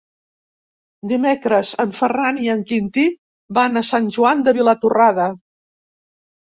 Divendres en Ferran i en Quintí van a Sant Joan de Vilatorrada.